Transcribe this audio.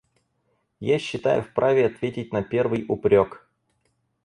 Я считаю вправе ответить на первый упрек.